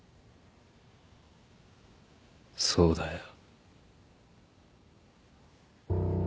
そうだよ。